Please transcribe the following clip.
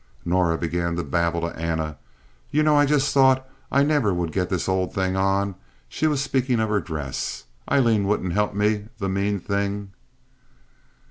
Norah began to babble to Anna. "You know, I just thought I never would get this old thing on." She was speaking of her dress. "Aileen wouldn't help me—the mean thing!"